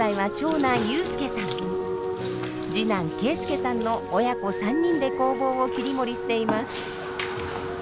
現在はの親子３人で工房を切り盛りしています。